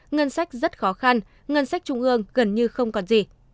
ngân sách rất khó khăn ngân sách trung ương gần như không còn gì